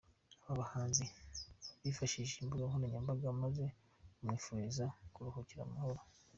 Aba bahanzi bifashishije imbuga nkoranyambaga maze bamwifuriza kuruhukira mu mahoro.